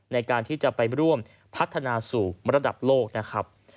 ในการที่จะไปร่วมพัฒนาสู่ระดับโลกนะครับ